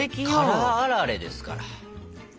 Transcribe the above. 辛あられですから。